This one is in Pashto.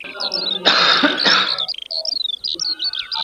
مناجات ..